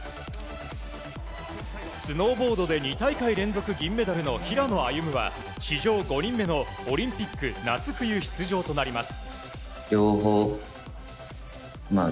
スノーボードで２大会連続銀メダルの平野歩夢は史上５人目のオリンピック夏冬出場となります。